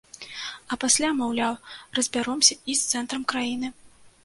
А пасля, маўляў, разбяромся і з цэнтрам краіны.